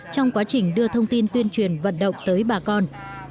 trong quá trình đưa thông tin tuyên truyền vận động tới bà con